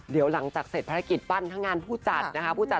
เดี๋ยวหลังจากเสร็จภารกิจปั้นทั้งงานผู้จัดนะคะ